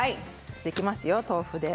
できますよ、豆腐で。